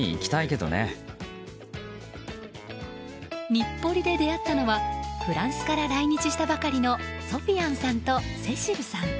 日暮里で出会ったのはフランスから来日したばかりのソフィアンさんと、セシルさん。